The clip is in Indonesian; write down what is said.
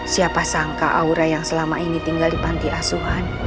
siapa sangka aura yang selama ini tinggal di panti asuhan